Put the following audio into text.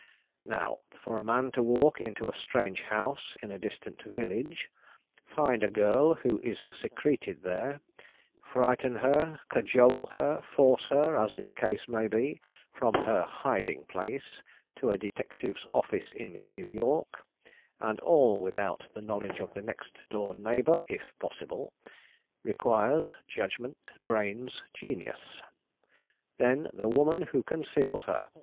Now, for a man to walk into a strange house in a distant village, find a girl who is secreted there, frighten her, cajole her, force her, as the case may be, from her hiding place to a detective's office in New York, and all without the knowledge of the next door neighbor, if possible, requires judgment, brains, genius. Then the woman who conceals her!